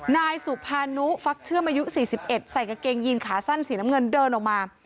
นายสุภานุฟักเชื่อมอายุ๔๑ใส่กางเกงยีนขาสั้นสีน้ำเงินเดินออกมา